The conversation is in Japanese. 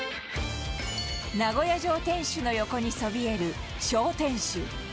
名古屋城天守の横にそびえる小天守